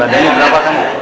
kalau di rumah berat